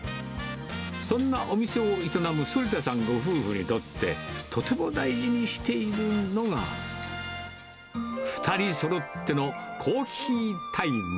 そんなお店を営む反田さんご夫婦にとって、とても大事にしているのが、２人そろってのコーヒータイム。